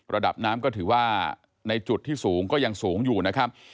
ระดับน้ำก็ถือว่าในจุดที่สูงก็ยังสูงอยู่นะครับ